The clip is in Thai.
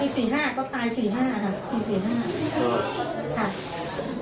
พี่๔๕ก็ตาย๔๕ค่ะ